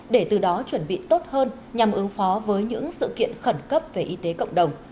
để từ đó chuẩn bị tốt hơn nhằm ứng phó với những sự kiện khẩn cấp về y tế cộng đồng